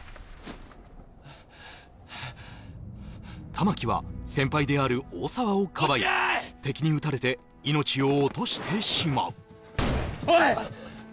玉木は先輩である大沢をかばい敵に撃たれて命を落としてしまうオイッ！